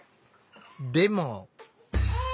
でも。